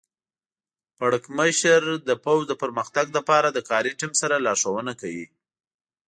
پړکمشر د پوځ د پرمختګ لپاره د کاري ټیم سره لارښوونه کوي.